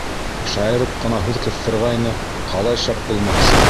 Шаярып ҡына һүҙ ҡыҫтырғайны, ҡалай шәп булмаҡсы.